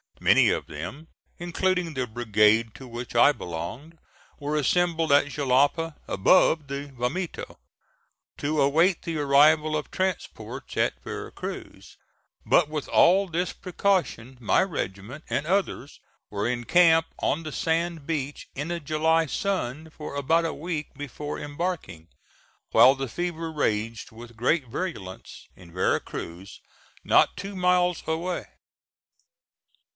Many of them, including the brigade to which I belonged, were assembled at Jalapa, above the vomito, to await the arrival of transports at Vera Cruz: but with all this precaution my regiment and others were in camp on the sand beach in a July sun, for about a week before embarking, while the fever raged with great virulence in Vera Cruz, not two miles away.